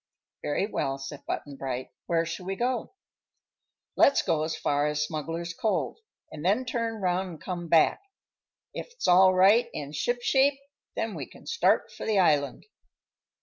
"Very well," said Button Bright. "Where shall we go?" "Let's go as far as Smuggler's Cove, an' then turn 'round an' come back. If all's right an' shipshape, then we can start for the island."